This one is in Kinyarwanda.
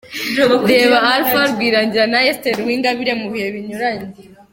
Reba Alpha Rwirangira na Esther Uwingabire mu bihe binyuranye.